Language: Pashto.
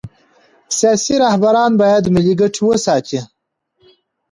سیاسي رهبران باید ملي ګټې وساتي